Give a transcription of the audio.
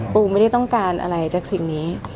ปูไม่ได้ต้องการอะไรจากสิ่งนี้